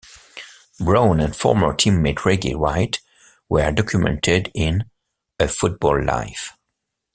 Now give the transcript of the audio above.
Brown and former teammate Reggie White were documented in "A Football Life".